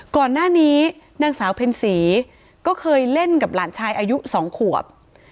ก่อนหน้านี้นางสาวเพ็ญศรีก็เคยเล่นกับหลานชายอายุ๒ขวบ